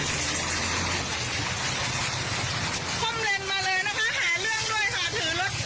คมเลนมาเลยนะคะหาเรื่องด้วยค่ะถือรถ